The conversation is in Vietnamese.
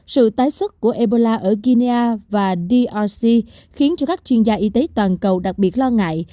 sự tái xuất của ebola ở guinia và drc khiến cho các chuyên gia y tế toàn cầu đặc biệt lo ngại